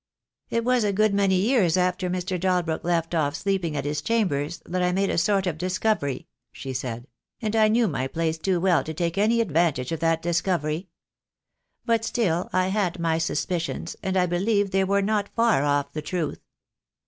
"It was a good many years after Mr. Dalbrook left off sleeping at his chambers that I made a sort of dis covery," she said; "and I knew my place too well to take any advantage of that discovery. But still I had my suspicions, and I believe they were not far off the truth."